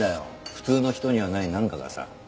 普通の人にはないなんかがさ。